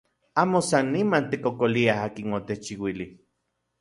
Amo san niman tikkokoliaj akin otechchiuili.